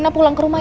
kau ada di rumah